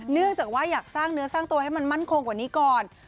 เนื่องจากว่าอยากสร้างเนื้อสร้างตัวให้มันมั่นคงกว่านี้ก่อน